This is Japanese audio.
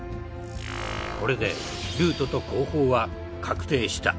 これでルートと工法は確定した。